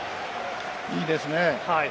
いいですね。